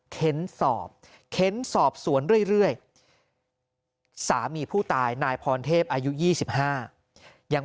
เค้นสอบเค้นสอบสวนเรื่อยสามีผู้ตายนายพรเทพอายุ๒๕ยัง